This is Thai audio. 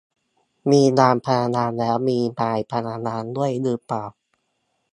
มีนางพยาบาลแล้วมีนายพยาบาลด้วยหรือเปล่า